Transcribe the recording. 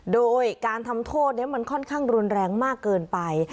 โดยการทำโทษนี้มันค่อนข้างรุนแรงมากเกินไป